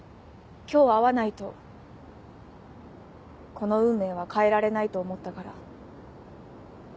今日会わないとこの運命は変えられないと思ったから。